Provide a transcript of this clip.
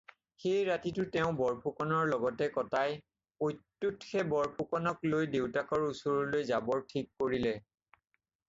সেই ৰাতিটো তেওঁ বৰফুকনৰ লগতে কটাই প্ৰত্যুষে বৰফুকনক লৈ দেউতাকৰ ওচৰলৈ যাবৰ ঠিক কৰিলে।